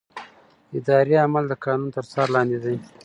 اداري عمل د قانون تر څار لاندې دی.